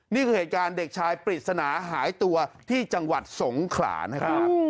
นี่คือเหตุการณ์เด็กชายปริศนาหายตัวที่จังหวัดสงขลานะครับ